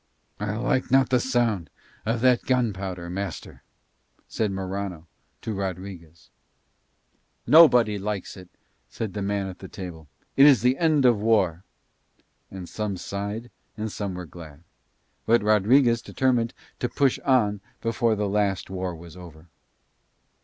"I like not the sound of that gunpowder, master," said Morano to Rodriguez. "Nobody likes it," said the man at the table. "It is the end of war." And some sighed and some were glad. But Rodriguez determined to push on before the last war was over.